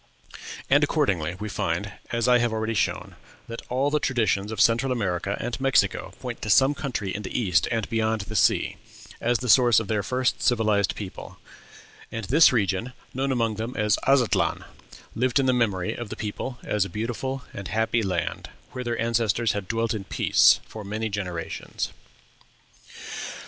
And, accordingly, we find, as I have already shown, that all the traditions of Central America and Mexico point to some country in the East, and beyond the sea, as the source of their first civilized people; and this region, known among them as "Aztlan," lived in the memory of the people as a beautiful and happy land, where their ancestors had dwelt in peace for many generations.